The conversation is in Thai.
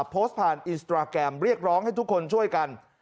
โพสต์ผ่านอินสตราแกรมเรียกร้องให้ทุกคนช่วยกัน